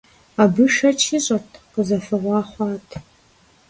Абы шэч ишӏырт, къызэфыгъуэ хъуат.